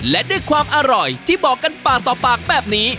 และด้วยความอร่อยที่บอกกันปากต่อปากแบบนี้